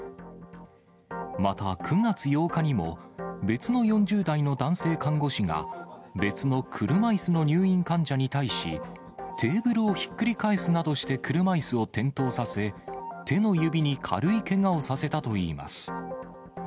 また、９月８日にも、別の４０代の男性看護師が、別の車いすの入院患者に対し、テーブルをひっくり返すなどして車いすを転倒させ、手の指に軽いけがをさせたといいます。